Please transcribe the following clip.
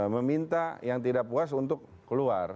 meminta yang tidak puas untuk keluar